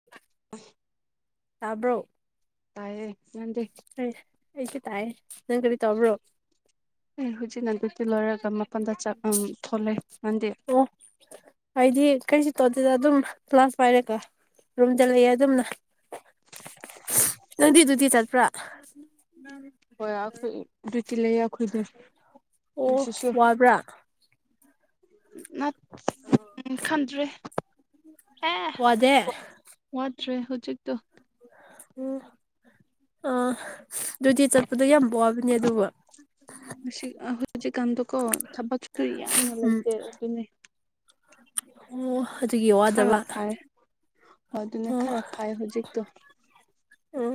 [inaudible] ꯑꯣꯏ ꯇꯥꯕ꯭ꯔꯣ ꯇꯑꯌꯦ ꯑ ꯑꯩꯁꯦ ꯇꯥꯏꯌꯦ ꯅꯪ ꯀꯔꯤ ꯇꯣꯕ꯭ꯔꯣ ꯑꯩ ꯍꯧꯖꯤꯛꯅ ꯑꯗꯨꯛꯇꯤ ꯂꯣꯏꯔꯒ ꯃꯄꯜꯗ ꯊꯣꯂꯦ ꯅꯪꯗꯤ ꯍꯥꯏꯗꯤ ꯀꯔꯤꯁꯨ ꯇꯧꯗꯦꯗ ꯑꯗꯨꯝ ꯀ꯭ꯂꯥꯁ ꯄꯥꯏꯔꯦꯀꯣ ꯔꯨꯝꯗ ꯂꯩꯌꯦ ꯑꯗꯨꯝꯅ ꯅꯪꯗꯤ ꯑꯗꯨꯗꯤ ꯆꯠꯄ꯭ꯔꯥ ꯎꯝ ꯍꯣꯏ ꯑꯩꯈꯣꯏ ꯇꯤ ꯂꯩꯌꯦ ꯑꯩꯈꯣꯏꯗꯤ ꯑꯣ ꯑꯗꯨꯁꯨ ꯋꯥꯕ꯭ꯔꯥ ꯎ ꯈꯟꯗ꯭ꯔꯦ ꯍꯦ ꯋꯥꯗꯦ ꯃꯗ꯭ꯔꯦ ꯍꯧ ꯎꯆꯖꯤꯤꯛꯇ ꯇꯣ ꯎꯝ ꯑꯥ ꯑꯗꯨꯗꯤ ꯆꯠꯄꯗꯣ ꯌꯥꯝ ꯋꯥꯕꯅꯦ ꯑꯗꯨ ꯍꯧꯖꯤꯛꯀꯥꯟꯗꯀꯣ ꯊꯕꯛꯁꯨꯁꯨ ꯌꯥꯝꯅ ꯎꯝ ꯂꯩꯇꯦ ꯑꯗꯨꯅꯦ ꯑꯣ ꯍꯧꯖꯤꯒꯤ ꯈꯔ ꯋꯥꯗꯂ ꯐꯥꯏ ꯍꯣꯏ ꯑꯗꯨꯅ ꯑꯣ ꯈꯔ ꯐꯥꯏ ꯍꯧꯖꯤꯛꯇꯣ ꯎꯝ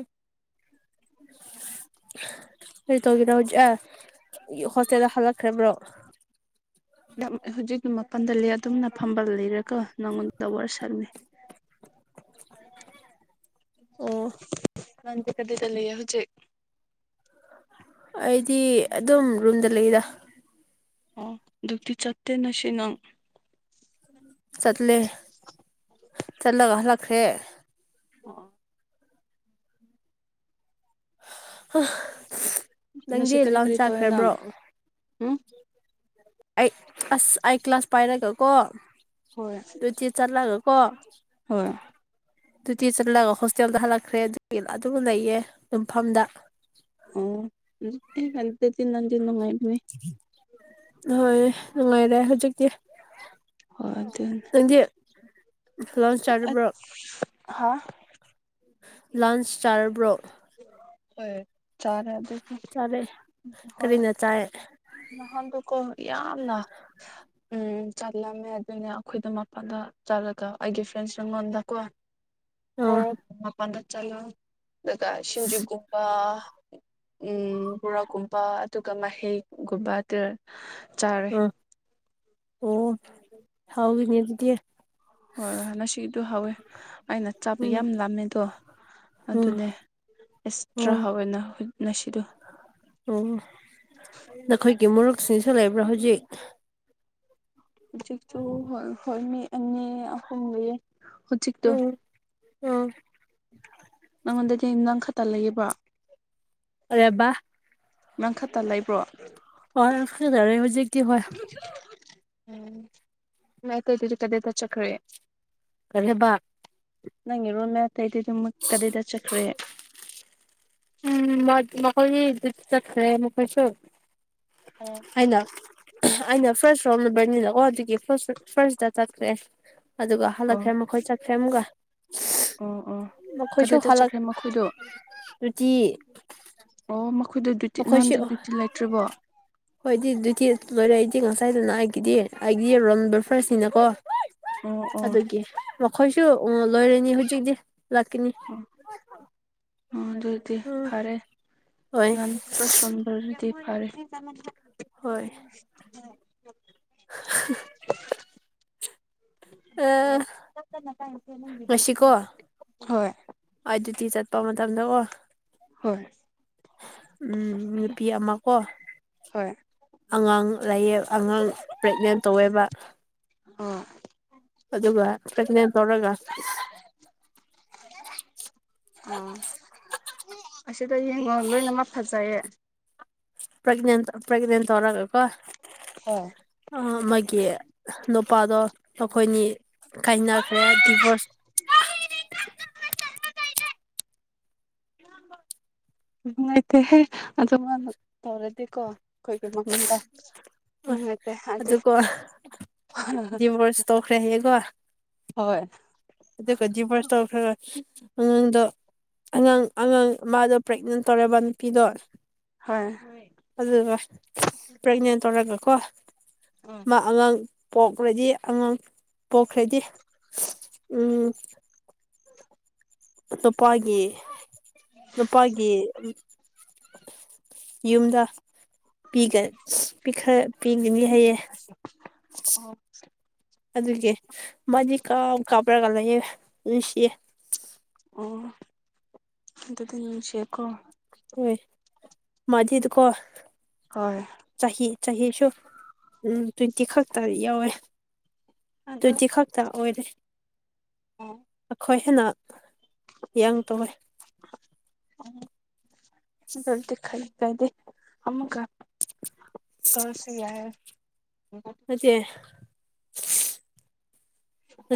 ꯀꯩ ꯇꯧꯒꯦꯅꯣ ꯍꯧꯖꯤꯛ ꯑꯦ ꯍꯣꯁꯇꯦꯜꯗ ꯍꯜꯂꯛꯈ꯭ꯔꯕ꯭ꯔꯣ ꯍꯧꯖꯤꯛ ꯃꯄꯜꯗ ꯂꯩ ꯑꯗꯨꯝꯅ ꯐꯝꯕꯜ ꯂꯩꯔꯒꯣ ꯅꯪꯉꯣꯟꯗ ꯋꯥꯔꯤꯔ ꯁꯠꯃꯤ ꯑꯣ ꯅꯗꯤ ꯀꯗꯤ ꯆꯂꯦ ꯍꯧꯖꯤꯛ ꯑꯩꯗꯤ ꯑꯗꯨꯝ ꯔꯨꯝꯗ ꯂꯩꯗ ꯑꯣ ꯑꯗꯨꯛꯇꯤ ꯆꯠꯇꯦ ꯅꯁꯤ ꯅꯪ ꯆꯠꯂꯦ ꯆꯠꯂꯒ ꯍꯜꯂꯛꯈ꯭ꯔꯦ ꯑꯣ ꯉꯁꯤ ꯅꯪꯗꯤ ꯀꯔꯤ ꯂꯥꯡ ꯀꯔꯤ ꯇꯧꯋꯦ ꯅꯪ ꯆꯥꯛꯈ꯭ꯔꯕ꯭ꯔꯣ ꯎꯝ ꯑꯩ ꯑꯁ ꯑꯩ ꯀ꯭ꯂꯥꯁ ꯄꯥꯏꯔꯒꯀꯣ ꯍꯣꯏ ꯑꯗꯨꯆꯤ ꯆꯠꯂꯒꯀꯣ ꯍꯣꯏ ꯗꯗꯨꯇꯤ ꯆꯠꯂꯒ ꯍꯣꯁꯇꯦꯜꯗ ꯍꯜꯂꯛꯈ꯭ꯔꯦ ꯑꯗꯨꯒꯤ ꯑꯗꯨꯝ ꯂꯩꯌꯦ ꯌꯨꯝꯐꯝꯗ ꯑꯣ ꯀ ꯆꯤꯟꯅ ꯆꯤꯟꯅꯉꯥꯏꯅꯤ ꯍꯣꯏ ꯅꯨꯡꯉꯥꯏꯔꯦ ꯍꯧꯖꯤꯛꯇꯤ ꯍ ꯑꯗꯨ ꯂꯣꯟꯁ ꯆꯥꯔꯕ꯭ꯔꯣ ꯍꯥꯥ ꯂꯥꯟꯁ ꯁ꯭ꯇꯥꯔ ꯕ꯭ꯔꯣ ꯍ ꯆꯔ ꯑꯗꯨ ꯑꯗꯨ ꯍꯣꯏ ꯆꯥꯏꯦ ꯅꯍꯥꯟꯗꯨꯀꯣ ꯌꯥꯝꯅ ꯎꯝ ꯆꯠꯂꯝꯃꯦ ꯑꯗꯨꯅꯦ ꯑꯩꯈꯣꯏꯗ ꯃꯄꯥꯟꯗ ꯆꯠꯂꯒ ꯑꯩꯒꯤ ꯐ꯭ꯔꯦꯟꯁ ꯑꯩꯉꯣꯟꯗꯀꯣ [inaudible] ꯑꯥ ꯑꯣ ꯄꯥꯟꯗ ꯆꯂ ꯑꯗꯨꯒ ꯁꯤꯟꯖꯨꯒꯒꯥ ꯎꯝ ꯄꯨꯣꯔꯥꯒꯨꯝꯕ ꯑꯗꯨꯒ ꯃꯍꯩꯒꯨꯝꯕ ꯑꯗꯨ ꯆꯥꯔꯦ ꯑꯝ ꯑꯣ ꯊꯥꯎꯒꯤꯅꯦ ꯑꯗꯨꯗꯤ ꯍꯣꯏ ꯍꯣꯏ ꯉꯁꯤꯗꯣ ꯍꯧꯋꯦ ꯑꯩꯅ ꯆꯥꯄ ꯎꯝ ꯌꯥꯝ ꯂꯥꯝꯃꯦ ꯑꯗꯣ ꯎꯝ ꯑꯗꯨꯅꯦ ꯑꯦꯛꯁꯇ꯭ꯔꯥ ꯑꯣ ꯍꯥꯎꯋꯦꯅ ꯉꯁꯤꯗꯣ ꯑꯣ ꯅꯈꯣꯏꯒꯤ ꯃꯨꯔꯣꯛꯁꯤꯡꯁꯨ ꯂꯩꯕ꯭ꯔꯥ ꯍꯧꯖꯤꯛ ꯍꯧꯖꯤꯛꯇꯁꯨ ꯍ ꯍꯣꯏ ꯃꯤ ꯑꯅꯤ ꯑꯍꯣꯡ ꯂꯩꯌꯦ ꯍꯧꯖꯤꯛꯇꯣ ꯑꯣꯝ ꯅꯪꯉꯣꯟꯗꯗꯤ ꯌ ꯅꯪ ꯈꯛꯇ ꯂꯩꯌꯦꯕ ꯔꯦꯕ ꯅꯪꯈꯠꯇ ꯂꯩꯕ꯭ꯔꯣ ꯍꯗꯔꯦ ꯍꯧꯖꯤꯦꯛ ꯀ ꯍ ꯎꯝ ꯃꯥꯏ ꯇꯗꯔꯤ ꯀꯗꯦꯗ ꯆꯈ꯭ꯔꯦ ꯀꯜꯦꯕꯥꯛ ꯅꯪ ꯏꯔꯣꯃꯦ ꯑꯇꯩꯗꯤ ꯑꯗꯨꯝꯃꯛ ꯀꯗꯥꯏꯗ ꯆꯠꯈ꯭ꯔꯦ ꯎꯝ ꯃ ꯃꯈ ꯀꯣꯏ ꯆꯠꯁꯦ ꯃꯣꯏ ꯀꯣꯏꯁꯨ ꯑꯣ ꯑꯩꯅ ꯑꯩꯅ ꯐꯥꯔꯁ ꯔꯣꯜ ꯅꯕꯔꯅꯤꯅꯀꯣ ꯑꯗꯨꯒꯤ ꯐꯥꯔꯁ ꯐꯥꯔꯁꯇ ꯆꯠꯈ꯭ꯔꯦ ꯑꯗꯨꯒ ꯍꯜꯂꯛꯈ꯭ꯔꯦ ꯃꯈꯣꯏ ꯆꯠꯈ꯭ꯔꯦ ꯑꯃꯒ ꯑꯣ ꯑꯣ ꯀꯗꯥꯏꯗ ꯍꯜꯂꯛ ꯆꯠꯈ꯭ꯔꯦ ꯃꯈꯣꯏꯗꯣ ꯗ꯭ꯌꯨꯇꯤ ꯑꯣ ꯃꯈꯣꯏꯗ ꯗ꯭ꯌꯨꯇꯤ ꯅꯪꯗꯤ ꯃꯈꯣꯏꯁꯨ ꯗ꯭ꯌꯨꯇꯤ ꯂꯩꯇ꯭ꯔꯤꯕꯣ ꯍꯣꯏꯗꯤ ꯑꯗꯨꯗꯤ ꯂꯣꯏꯔꯛꯏꯗꯤ ꯉꯁꯥꯏꯗꯨꯅ ꯑꯩꯒꯤꯗꯤ ꯑꯩꯗꯤ ꯔꯣꯝ ꯅꯝꯕꯔ ꯐꯥꯔꯁꯅꯤꯅꯀꯣ ꯑꯣ ꯑꯣ ꯑꯣ ꯑꯗꯨꯒꯤ ꯃꯈꯣꯏꯁꯨ ꯂꯣꯏꯔꯅꯤ ꯍꯧꯖꯤꯛꯇꯤ ꯂꯥꯛꯀꯅꯤ ꯑꯣ ꯑꯗꯨꯗꯤ ꯎꯝ ꯐꯔꯦ ꯍꯣꯏ ꯅꯥꯟ ꯁꯝꯔꯤꯗꯤ ꯍꯣꯏ ꯍꯝ [unintelligible] ꯑꯥ ꯍꯣꯏ ꯑꯗꯨ ꯑꯗꯨꯗꯤ ꯆꯠꯄ ꯃꯇꯝꯗ ꯑꯣ ꯍꯣꯏ ꯎꯝ ꯅꯨꯄꯤ ꯑꯃꯀꯣ ꯍꯣꯏ ꯑꯉꯥꯡ ꯂꯥꯏꯌꯦ ꯑꯉꯥꯡ ꯄ꯭ꯔꯦꯒꯅꯦꯟ ꯇꯧꯋꯦꯕ ꯑꯣ ꯑꯗꯨꯒ ꯄ꯭ꯔꯒꯅꯦ ꯟ ꯇꯧꯔꯒ [unintelligible] ꯑ ꯑꯁꯤꯗ ꯌꯦꯡꯉꯣ ꯂꯣꯏꯅꯃꯛ ꯐꯖꯩꯌꯦ ꯄꯦꯒꯅꯦꯟ ꯄꯦꯒꯅꯦꯟ ꯇꯧꯔꯒ ꯀꯣ ꯍꯣꯏ ꯃꯥꯒꯤ ꯅꯨꯄꯥꯗꯣ ꯑꯩꯈꯣꯏꯅꯤ ꯀꯥꯏꯅꯈ꯭ꯔꯦ ꯗꯤꯚꯣꯔꯁ ꯅꯨꯡꯉꯥꯏꯇꯦꯍꯦ ꯑꯗꯨꯅ ꯇꯧꯔꯗꯤꯀꯣ ꯑꯩꯈꯣꯏꯒꯤ ꯃꯃꯥꯡꯗ ꯎꯗ ꯑꯗ ꯑꯗꯨꯒ ꯗꯤꯚꯣꯔꯁ [unintelligible] ꯇꯧꯈ꯭ꯔꯦ ꯍꯌꯦꯀꯣ ꯍꯣꯏ ꯑꯗꯨꯒ ꯗꯤꯕꯔꫭꯁ ꯇꯧꯈꯔꯒ ꯑꯉꯥꯡꯗꯣ ꯑꯉꯥꯡ ꯑꯉꯥꯡ ꯃꯥꯗꯣ ꯄ꯭ꯔꯦꯛꯅꯦꯟ ꯇꯧꯔꯦꯕ ꯅꯨꯄꯤꯗꯣ ꯍꯣꯏ ꯑꯗꯨꯒ ꯄ꯭ꯔꯦꯒꯅꯦꯟ ꯇꯧꯔꯒꯀꯣ ꯑꯥ ꯃꯥ ꯑꯉꯥꯡ ꯄꯣꯛꯈ꯭ꯔꯗꯤ ꯑꯉꯥꯡ ꯄꯣꯛꯈ꯭ꯔꯗꯤ ꯎꯝ ꯅꯨꯄꯥꯒꯤ ꯅꯨꯄꯥꯒꯤ ꯌꯨꯝꯗ ꯄꯤꯈ ꯄꯤꯒꯤꯅꯤ ꯍꯥꯏꯌꯦ ꯑꯣ ꯑꯗꯨꯒꯤ ꯃꯥꯗꯤ ꯀꯞ ꯀꯥꯞꯄ꯭ꯔꯒ ꯂꯩꯌꯦ ꯅꯨꯡꯁꯤꯌꯦ ꯑꯣ ꯑꯗꯨꯗꯤ ꯅꯨꯡꯁꯤꯈꯣ ꯍꯣꯏ ꯃꯥꯗꯤꯗꯨꯀꯣ ꯍꯣꯏ ꯆꯍꯤ ꯆꯍꯤꯁꯨ ꯎꯝ ꯇꯨ꯭ꯋꯦꯟꯇꯤ ꯈꯛꯇ ꯌꯥꯎꯋꯦ ꯑꯗꯨ ꯇꯨ꯭ꯋꯦꯟꯇꯤ ꯈꯛ ꯍꯥꯛꯛꯇꯥꯛ ꯑꯣꯏꯔꯦ ꯑꯩꯈꯣꯏ ꯍꯦꯟꯅ ꯌꯥꯡ ꯇꯧꯋꯦ [unintelligible] ꯑꯗꯨꯗꯤ ꯈꯩ ꯇꯧꯗꯦ ꯑꯃꯨꯛꯀ ꯇꯧꯔꯁꯨ ꯌꯥꯏꯌꯦ ꯍꯥꯏꯗꯤ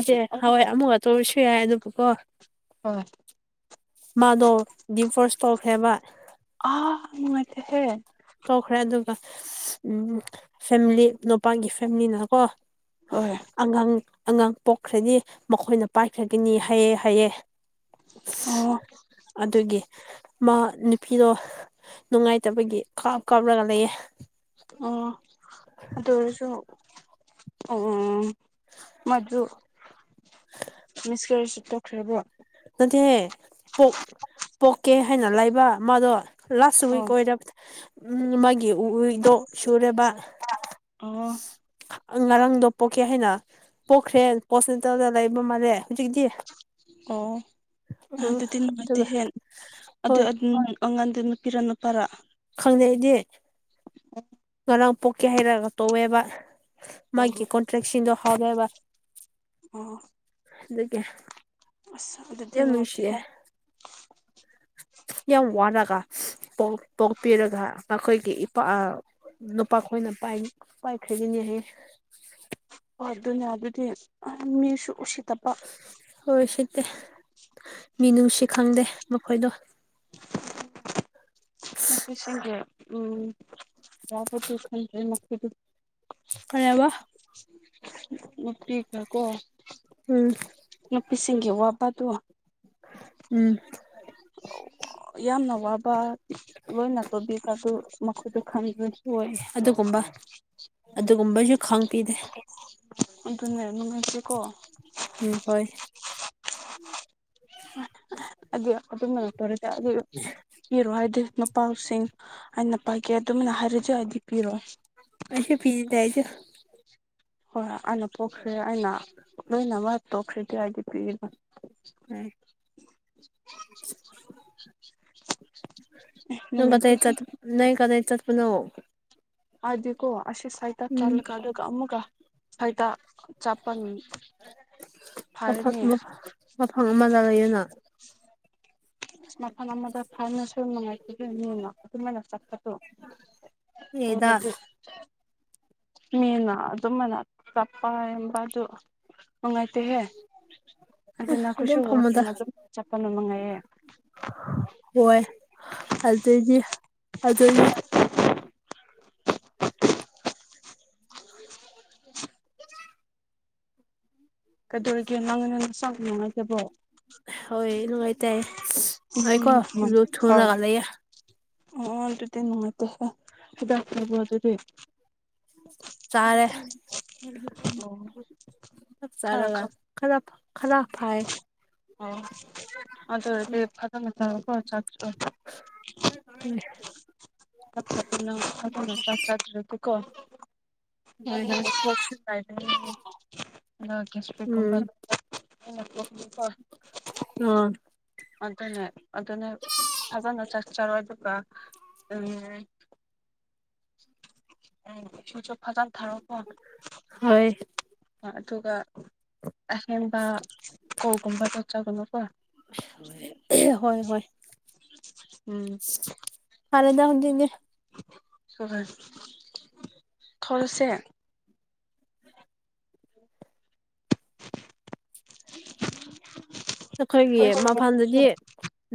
ꯑꯗꯨ ꯑꯃꯨꯛꯀ ꯍꯋꯥꯏ ꯑꯃꯨꯛ ꯇꯧꯔꯁꯨ ꯌꯥꯏ ꯑꯗꯨꯕꯨꯀꯣ ꯍꯣꯏ ꯃꯥꯗꯣ ꯗꯤ ꯐꯣꯔꯁ ꯇꯧꯈ꯭ꯔꯦꯕ ꯑꯥ ꯅꯨꯡꯉꯥꯏꯇꯦꯍꯦ ꯇꯧꯈ꯭ꯔꯦ ꯑꯗꯨꯒ ꯎꯝ ꯐꯦꯝꯂꯤ ꯅꯨꯄꯥꯒꯤ ꯐꯦꯝꯂꯤꯅꯀꯣ ꯍꯣꯏ ꯑꯉꯥꯡ ꯑꯉꯥꯡ ꯄꯣꯛꯈ꯭ꯔꯗꯤ ꯃꯈꯣꯏꯅ ꯄꯥꯏꯈ꯭ꯔꯒꯅꯤ ꯍꯥꯏꯑꯦ ꯍꯥꯏꯑꯦ ꯑꯣ ꯑꯗꯨꯒꯤ ꯃꯥ ꯅꯨꯄꯤꯗꯣ ꯅꯨꯡꯉꯥꯏꯇꯕꯒꯤ ꯀꯥꯞ ꯀꯥꯞꯔꯒ ꯂꯩꯌꯦ ꯑꯣ ꯑꯗꯨ ꯑꯣꯏꯔꯁꯨ ꯑꯣ ꯃꯗꯨ ꯃꯤꯁꯀꯔꯤꯁꯤꯞ ꯇꯧꯈ꯭ꯔꯕꯣ ꯅꯠꯇꯦꯍꯦ ꯄꫭꯛ ꯄꯣꯛꯀꯦ ꯍꯥꯏꯅ ꯂꯩꯕ ꯃꯥꯗꯣ ꯂꯥꯁ ꯑꯣ ꯋꯤꯛ ꯑꯣꯏꯔꯕ ꯎꯝ ꯃꯥꯒꯤ ꯋꯤꯛꯗꯣ ꯁꯨꯔꯦꯕ ꯑꯣ ꯉꯔꯥꯡꯗꯣ ꯄꯣꯛꯀꯦ ꯍꯥꯏꯅ ꯄꯣꯛꯈ꯭ꯔꯦ ꯍꫭꯁ ꯄꯤꯇꯥꯜꯗ ꯂꯩꯕ ꯃꯥꯜꯂꯦ ꯍꯧꯖꯤꯛꯇꯤ ꯑꯣ ꯎꯝ ꯑꯗꯨꯗꯤ ꯅꯨꯡꯉꯥꯏꯇꯦ ꯑꯗꯨꯒ ꯍꯦ ꯑꯗꯨ ꯍꯣꯏ ꯑꯗꯨ ꯅꯪ ꯑꯉꯥꯟꯗꫭ ꯅꯨꯄꯤꯔ ꯅꯨꯄꯥꯔꯥ ꯈꯪꯗꯦ ꯑꯩꯗꯤ ꯉꯔꯥꯡ ꯄꯣꯛꯀꯦ ꯍꯥꯏꯔꯒ ꯇꯧꯋꯦꯕ ꯑꯣ ꯃꯥꯒꯤ ꯀꯣꯟꯇ꯭ꯔꯦꯛꯁꯤꯡꯗꯣ ꯍꯥꯎꯋꯦꯕ ꯑꯣ ꯑꯗꯨꯒꯤ ꯑꯁ ꯑꯗꯨꯗꯤ ꯌꯥꯝ ꯅꯨꯡꯁꯤꯌꯦ ꯅꯨꯡꯉꯥꯏꯇꯦꯍꯦ ꯌꯥꯝ ꯋꯥꯔꯒ ꯄꫭꯛ ꯄꫭꯛꯄꯤꯔꯒ ꯃꯈꯣꯏꯒꯤ ꯏꯄꯥ ꯑ ꯅꯨꯄꯥꯈꯣꯏꯅ ꯄꯥꯏꯈ꯭ꯔꯒꯤꯅꯦꯍꯦ ꯍꫭꯏ ꯑꯗꯨꯅꯦ ꯑꯗꯨꯗꯤ ꯃꯤꯁꯨ ꯎꯁꯤꯠꯇꯄ ꯍꯣꯏ ꯁꯤꯠꯇꯦ ꯃꯤꯅꯨꯡꯁꯤ ꯈꯪꯗꯦ ꯃꯈꯣꯏꯗꯣ [unintelligible] ꯀꯔꯌꯥꯕ ꯎ ꯅꯨꯄꯤꯒꯀ ꯎꯝ ꯅꯨꯄꯤꯁꯤꯡꯒꯤ ꯑꯋꯥꯕꯗꯣ ꯎꯝ ꯌꯥꯝꯅ ꯋꯥꯕ ꯂꯣꯏꯅ ꯇꯧꯕꯤꯒ ꯑꯗꯨ ꯃꯈꯣꯏꯗꯨ ꯈꯪꯗꯔꯤ ꯍꯣꯏ ꯑꯗꯨꯒꯨꯝꯕ ꯑꯗꯨꯒꯨꯝꯕꯁꯨ ꯈꯪꯕꯤꯗꯦ ꯑꯗꯨꯅꯦ ꯅꯨꯡꯉꯥꯏꯁꯦꯀꯣ ꯎꯝ ꯍꯣꯏ ꯑꯗ ꯑꯗꯨꯃꯅꯄꯔꯛꯇ ꯑꯗꯨ ꯏꯔ ꯑꯗ ꯄꯥꯎꯁꯤꯡ ꯑꯅ ꯄꯥꯏꯒꯦ ꯑꯗꯨꯝꯅ ꯍꯥꯏꯔꯁꯨ ꯍꯥꯏꯗꯤ ꯄꯤꯔꯛꯑꯣ ꯑꯩꯁꯦ ꯄꯤ ꯆꯏꯁ ꯍꯣꯏ ꯍꯣꯏ ꯑꯩꯅ ꯄꯣꯛꯁ ꯑꯩꯅ ꯂꯣꯏꯅꯃꯛ ꯇꯣꯛꯁꯤꯗꯤ ꯍꯥꯏꯗꯤ ꯄꯤꯔꯤꯕ ꯎꯝ [unintelligible] ꯅꯪ ꯀꯗ ꯅꯨꯡꯉꯥꯏꯇꯦꯍꯦ ꯆ ꯅ ꯀꯗꯥꯩ ꯆꯠꯄꯅꯣ ꯑꯗꯤꯒꯣ ꯑꯁꯤ ꯁꯥꯏꯇꯥ ꯎꯝ ꯆꯥꯂ ꯀ ꯑꯗꯨꯒ ꯑꯃꯃꯒ ꯁꯩꯇꯥ ꯆꯄꯜ ꯃ ꯃꯐꯝ ꯑꯃꯗ ꯂꯩ ꯑꯗꯨꯅ ꯃꯐꯝ ꯑꯃꯗ ꯐꯅꯁꯨ ꯅꯨꯡꯉꯥꯏꯇꯅ ꯑꯗꯨꯃꯅ ꯆꯠꯄꯗꯣ ꯍꯗ ꯑꯣꯏꯔꯗꯤ [unintelligible] ꯃꯤꯅ ꯑꯗꯨꯝꯕꯅ ꯆꯞꯄ ꯌꯥꯝꯕ ꯑꯗꯨ ꯅꯨꯡꯉꯥꯏꯇꯦꯍꯦ ꯑꯗꯨꯅ ꯀꯣꯏꯁꯨ ꯑꯗꯨꯝ ꯋꯥꯀ ꯐꯝꯃꯗ ꯑꯗꯨꯝ ꯆꯠꯄ ꯅꯅꯨꯡꯃꯉꯥꯏꯑꯦ ꯍꯣꯏ ꯑꯗꯨꯏꯗꯤ ꯑꯗꯨꯏꯗꯤ [inaudible] ꯀꯩꯗꯧꯔꯤꯒꯦ ꯅꯪ ꯅꯪ ꯆꯥꯛ ꯅꯨꯡꯉꯥꯏꯒꯦꯕꯣ ꯍꯣꯏ ꯅꯨꯡꯉꯥꯏꯇꯦ ꯎꯝ ꯑꯩꯀꯣ ꯑꯗꯨ ꯍꯣꯏ ꯊꯨꯅꯒꯜꯂꯌꯦꯦ ꯑꯣ ꯑꯗꯨꯗꯤ ꯅꯅꯨꯡꯉꯥꯏꯗꯦꯗꯥꯛ ꯐꯕ ꯑꯗꯨꯗꯤ ꯆꯥꯔꯦ ꯑꯣ ꯈꯔ ꯆꯥꯔꯒ ꯈꯛ ꯈꯔ ꯈꯂ ꯐꯌꯦ ꯑꯣ ꯑꯗꯨꯗ ꯎꯝ ꯐꯗ ꯃ ꯇ ꯀꯣ ꯆ [inaudible] ꯅ ꯆ꯭ꯔꯇꯇ ꯀꯣ ꯍꯣꯏ [unintelligible] [unintelligible] ꯑ ꯑꯗꯨꯅꯦ ꯑꯗꯨꯅꯦ ꯐꯖꯅ ꯆꯠ ꯆꯔꯣꯏ ꯑꯗꯨꯒ ꯎꯝ ꯎ ꯁꯨꯖꯣꯛ ꯐꯖꯔ ꯊꯙꯔꯄ ꯍꯣꯏ ꯑꯗꯨꯒ ꯑꯦꯟꯕ ꯀꯧ ꯀꯨꯝꯕꯥ ꯆꯠꯆꯒꯨꯝꯂ ꯀꯣ ꯍꯣꯏ ꯍꯣꯏ ꯎꯝ ꯍꯔꯅ ꯍꯧꯖꯤꯛꯇ ꯊꯂꯁ [inaudible] ꯑꯩꯈꯣꯏꯒꯤ ꯋꯥꯔꯤ ꯁꯥꯕ ꯃꯄꯥꯟꯗꯗꯤ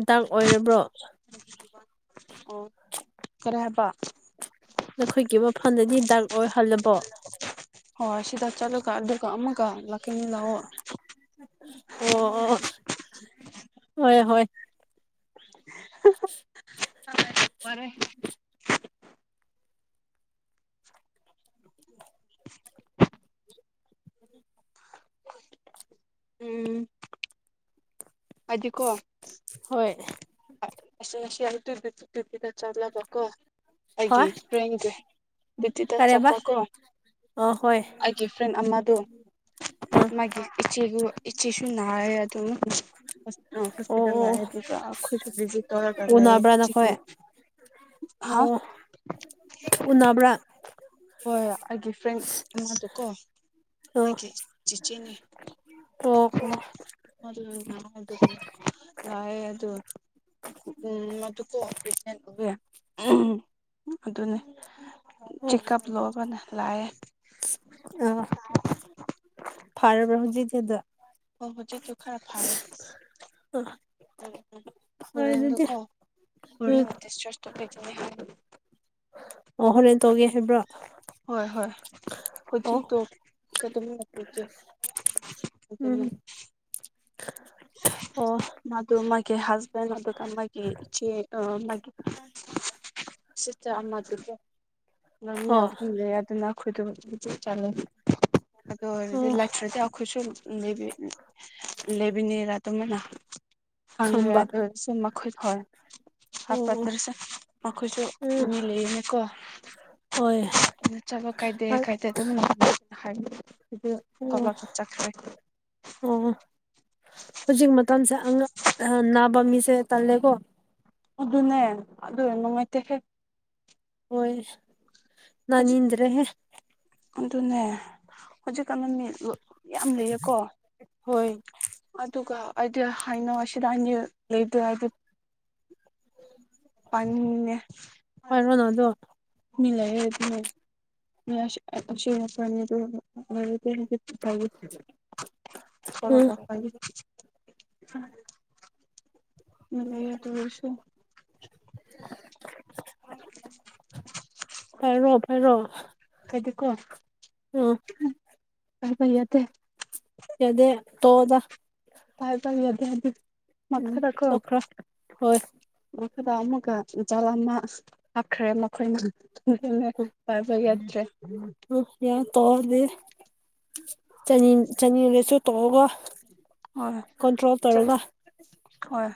ꯗꯥꯛ ꯑꯣꯏꯔꯕ꯭ꯔꯣ ꯑꯣ ꯈꯔꯦ ꯍꯥꯏꯕ ꯅꯈꯣꯏꯒꯤ ꯃꯐꯝꯗꯗꯤ ꯗꯔꯛ ꯑꯣꯏꯍꯜꯂꯕꯣ ꯍꯣꯏ ꯁꯤꯗ ꯆꯠꯂꯒ ꯑꯗꯨꯒ ꯑꯃꯒ ꯂꯥꯛꯀꯦꯅꯤ ꯂꯥꯛꯑꯣ ꯑꯣ ꯑꯣ ꯍꯣꯏ ꯍꯣꯏ [inaudible] ꯐꯔꯦ ꯎꯝ ꯑꯗꯨꯗꯤꯀꯣꯠ ꯍꯣꯏ ꯑꯁꯤꯁ ꯉꯁꯤ ꯑ ꯇꯕꯤꯗ ꯆꯠꯂꯕꯀꯣ ꯑꯩꯒꯤ ꯍꯣꯏ ꯐ꯭ꯔꯦꯟꯁꯦ ꯕꯤꯇꯤꯗ ꯀꯔꯦꯕ ꯆꯠꯄꯀꯣ ꯑ ꯍꯣꯏ ꯑꯩꯒꯤ ꯐ꯭ꯔꯦꯟ ꯑꯃꯗꯣ ꯑ ꯃꯥ ꯏꯆ ꯏꯆꯤꯁꯨ ꯅꯅꯥ ꯑꯗꯨ ꯍ ꯑꯣ ꯍꯣꯁꯄꯤꯇꯜ ꯂ ꯑꯣ ꯑꯗꯨ ꯈ ꯇꯧꯔ ꯇ ꯂꯩ ꯎꯅꯕ꯭ꯔꯥ ꯆꯤꯅ ꯅꯈꯣꯏ ꯍꯥ ꯑꯣ ꯎꯅꯕ꯭ꯔꯥ ꯍꯣꯏꯣꯏ ꯑꯩꯒꯤ ꯐ꯭ꯔꯦꯟ ꯑꯃꯗꯣ ꯀꯣ ꯑꯣ ꯀꯦ ꯆꯦꯅꯤ ꯑꯣ ꯑꯣ ꯂꯑꯦ ꯎꯝ ꯃꯗꯨꯀꯣ ꯄ꯭ꯔꯦꯒꯅꯦꯟ ꯎꯋ ꯎꯝ ꯑꯗꯨꯅꯦ ꯑꯣꯐ ꯆꯦꯛꯀꯞ ꯂꯧꯔꯒꯅ ꯂꯥꯛꯑꯦ ꯑ ꯐꯔꯔꯕ꯭ꯔ ꯍꯧꯖꯤꯁꯤꯗ ꯑꯣ ꯍꯧꯖꯤꯛꯗ ꯈꯔ ꯐ ꯍꯥꯏꯔ ꯑꯥ ꯎꯝꯝ ꯍꯣꯔꯦꯟꯗꯨꯀꯣ ꯎꯝ ꯍꯦꯟꯅꯗꯤꯁ ꯄꯗꯨ ꯍꯥꯏ ꯑꯣ ꯍꯣꯔꯦꯟ ꯇꯧꯒꯦ ꯍꯥꯏꯕ꯭ꯔꯣ ꯍꯣꯏ ꯍꯣꯏ ꯑꯣ ꯍꯧꯖꯤꯛꯇꯣ ꯀꯗꯝ ꯂꯥꯛꯄꯤꯒꯦ ꯎꯝ ꯑ ꯑꯣ ꯃꯗꯨ ꯃꯥꯒꯤ ꯍꯁꯕꯦꯟ ꯑꯗꯨꯗꯨ ꯃꯥꯒꯤ ꯏꯆꯦ ꯃꯥꯒꯤ ꯁꯤꯁꯇꯔ ꯑꯃꯗꯨꯁꯨ ꯅꯝ ꯑꯣ ꯌꯥꯎꯍꯨꯝꯂꯦ ꯑꯗꯨꯅ ꯑꯩꯈꯣꯏꯗꯃꯛ ꯆꯠꯂꯦ ꯑꯗꯨ ꯑꯣꯏꯔꯗꯤ ꯑꯣ ꯂꯥꯛꯆ꯭ꯔꯗꯤ ꯑꯩꯈꯣꯏꯁꯨ ꯂꯩ ꯂꯩ ꯑꯗꯨꯃꯥꯏꯅ ꯐꯪꯉ꯭ꯔꯦ ꯈꯝꯕ ꯑꯗꯨꯁꯨꯨꯝ ꯃꯈꯣꯏ ꯍ ꯑꯣ ꯑꯣ ꯍꯥꯞꯐꯠꯇ꯭ꯔꯁꯨ ꯃꯈꯣꯏꯁꯨ ꯎꯝ ꯃꯤ ꯂꯩꯌꯦꯅꯤꯀꯣ ꯍꯣꯏ ꯑꯗꯨ ꯆꯠꯄ ꯀꯥꯏꯗꯦ ꯑꯣ ꯀꯥꯏꯗꯦ ꯑꯗꯨꯝ ꯉꯝꯅ ꯍꯥꯏ ꯊꯣꯛꯂꯛ ꯆꯠꯈ꯭ꯔꯦ ꯑꯣ ꯍꯧꯖꯤꯛ ꯃꯇꯝꯁꯦ ꯅꯥꯕ ꯃꯤꯁꯦ ꯇꯜꯂꯦꯀꯣ ꯑꯗꯨꯅꯦ ꯑꯗꯨ ꯅꯨꯡꯉꯥꯏꯇꯦ ꯍꯦꯛ ꯍꯣꯏ ꯍꯧꯖꯤꯛ ꯅꯥꯟꯅꯤꯡ ꯗ꯭ꯔꯦꯍꯦ ꯑꯗꯨꯅꯦ ꯍꯧꯖꯤꯛꯀ ꯅꯨꯃꯤꯠ ꯌꯥꯝ ꯂꯩꯌꯦꯀꯣ ꯍꯣꯏ ꯑꯗꯨꯒ ꯑꯩꯗꯤ ꯍꯩꯅꯣꯁꯤꯗꯅꯤ ꯂꯩꯇ ꯍꯥꯏꯗꯤ ꯄꯅꯤ ꯂ [unintelligible] ꯄꯥꯏꯔꯣꯅꯗꯣ ꯍꯥꯏꯂ ꯎꯝ ꯀ ꯍꯥꯏ [unintelligible] ꯃꯤ ꯂꯩ ꯑꯗꯨ ꯑꯣꯏꯁꯨ ꯐꯥꯔꯣ ꯐꯥꯔꯣ ꯍꯥꯏꯗꯤ ꯀꯣ ꯎꯝ ꯐꯩꯌꯥ ꯇ ꯌꯥꯗꯦ ꯇꯣꯗ ꯄꯥꯏ ꯄꯥꯏ ꯌꯥꯗ ꯎꯝ ꯃꯈ ꯇꯀꯣ ꯇꯣꯛꯈ꯭ꯔꯣ ꯍꯣꯏ ꯃꯈꯗ ꯑꯃꯨꯒꯖꯥꯜ ꯑꯃ ꯍꯥꯞꯈ꯭ꯔꯦ ꯃꯈꯣꯏꯅ ꯎꯝ ꯄꯥꯏꯔꯕ ꯌꯥꯗ꯭ꯔꯦ ꯎꯝ ꯌꯥ ꯇꯧꯔꯗꯤ ꯆꯅꯤ ꯆꯅꯤꯔꯁꯨ ꯇꯧꯔꯒ ꯍꯣꯏ ꯍꯣꯏ